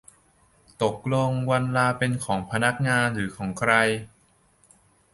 ตกลงวันลาเป็นของพนักงานหรือของใคร